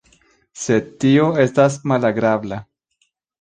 Sed tio estas malagrabla.